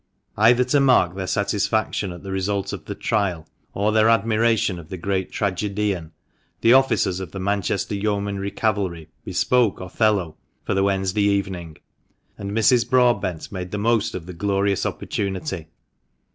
Either to mark their satisfaction at the result of the trial, or their admiration of the great tragedian, the officers of the Manchester Yeomanry Cavalry bespoke "Othello" for the 2i6 THE MANCHESTER MAN. Wednesday evening, and Mrs. Broadbent made the most of the glorious opportunity.